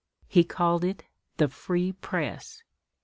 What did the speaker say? He called it the "Free Press."